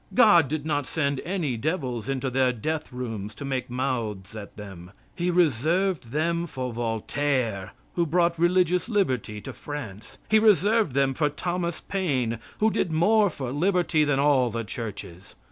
God did not send any devils into their death rooms to make mouths at them. He reserved them for Voltaire, who brought religious liberty to France. He reserved them for Thomas Paine, who did more for liberty than all the churches.